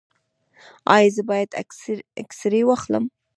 ایا زه باید اکسرې واخلم؟